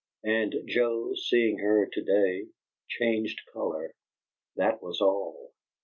And Joe, seeing her to day, changed color; that was all!